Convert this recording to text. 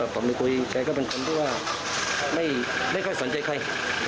ผมก็ไปคุยแล้วเขาก็นี่ว่าไม่ค่อยสนใจใคร